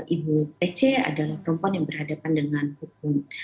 ibu pc adalah perempuan yang berhadapan dengan hukum